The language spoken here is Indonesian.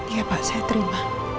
iya pak saya terima